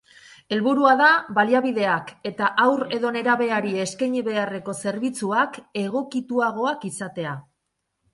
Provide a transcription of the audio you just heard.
Helburua da, baliabideak eta haur edo nerabeari eskaini beharreko zerbitzuak egokituagoak izatea.